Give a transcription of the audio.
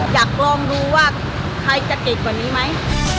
อยากลองดูว่าใครจะเก่งกว่านี้ไหม